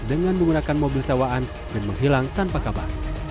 dengan menggunakan mobil sewaan dan menghilang tanpa kabar